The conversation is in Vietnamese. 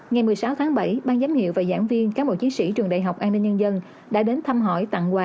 ngày một mươi sáu tháng bảy ban giám hiệu và giảng viên cán bộ chiến sĩ trường đại học an ninh nhân dân đã đến thăm hỏi tặng quà